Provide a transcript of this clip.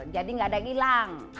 jadi gak ada yang ilang